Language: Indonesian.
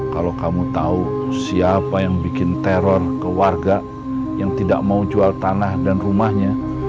kalau kamu tahu siapa yang bikin teror ke warga yang tidak mau jual tanah dan rumahnya